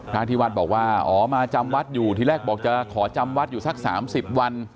พระที่วัดบอกว่าอ๋อมาจำวัดอยู่ที่แรกบอกจะขอจำวัดอยู่สัก๓๐วัน